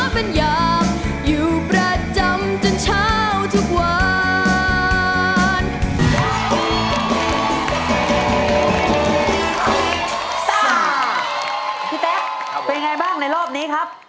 พี่แต๊กเป็นไงบ้างในรอบนี้ครับ